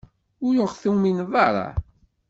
Ur ɣ-tumineḍ ara?